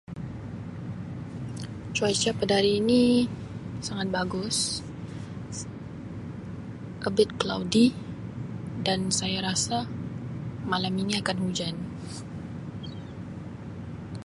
"Cuaca pada hari ini sangat bagus ""A bit cloudy"" dan saya rasa malam ini akan hujan."